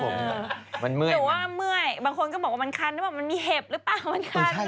หรือว่าเมื่อยบางคนก็บอกว่ามันคันหรือเปล่ามันมีเห็บหรือเปล่ามันคัน